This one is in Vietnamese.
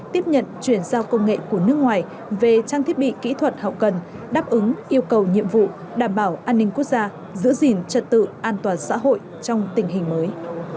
tiếp nhận chuyển giao công nghệ của nước ngoài về trang thiết bị kỹ thuật hậu cần đáp ứng yêu cầu nhiệm vụ đảm bảo an ninh quốc gia giữ gìn trật tự an toàn xã hội trong tình hình mới